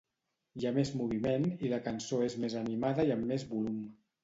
Hi ha més moviment i la cançó és més animada i amb més volum.